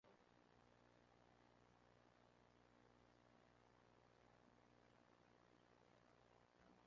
Darío, de un año y nueve meses y Gustavo, de siete meses.